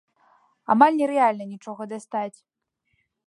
Амаль нерэальна нічога дастаць.